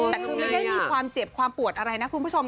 แต่คือไม่ได้มีความเจ็บความปวดอะไรนะคุณผู้ชม